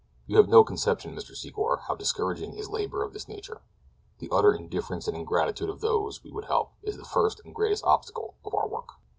You have no conception, Mr. Secor, how discouraging is labor of this nature—the utter indifference and ingratitude of those we would help is the first and greatest obstacle to our work."